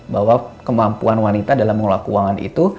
bahwa kemampuan wanita dalam mengelak uangan itu